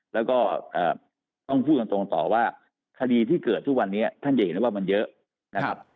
แล้วก็ต้องพูดกันตรงต่อว่าคดีที่เกิดทุกวันนี้ท่านจะเห็นได้ว่ามันเยอะนะครับ